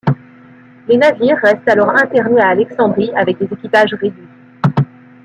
Les navires restent alors internés à Alexandrie avec des équipages réduits.